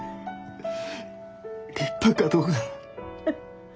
立派かどうか。